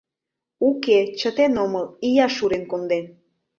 Уке, чытен омыл: ия шурен конден...